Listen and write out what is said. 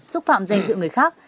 xúc phạm danh dự người khác